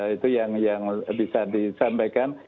itu yang bisa disampaikan